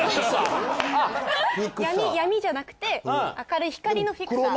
闇じゃなくて明るい光のフィクサー。